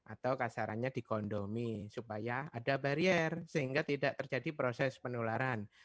atau kasarannya dikondomi supaya ada barier sehingga tidak terjadi proses penularan